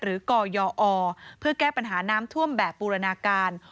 กยอเพื่อแก้ปัญหาน้ำท่วมแบบบูรณาการ